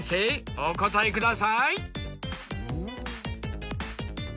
お答えください。